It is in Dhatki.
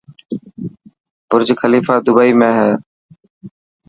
برجخليفا دبئي ۾ هي.